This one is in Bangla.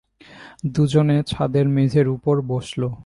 দুজনে ছাদের মেঝের উপর বসল।